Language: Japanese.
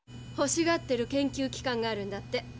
ほしがってる研究機関があるんだって。